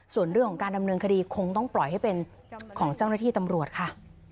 ส่วนเรื่องของการดำเนินคดีคงต้องปล่อยให้เป็นของเจ้าหน้าที่ตำรวจค่ะ